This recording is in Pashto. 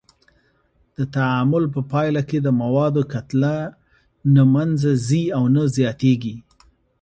د تعامل په پایله کې د موادو کتله نه منځه ځي او نه زیاتیږي.